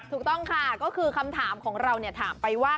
ถูกต้องค่ะก็คือคำถามของเราถามไปว่า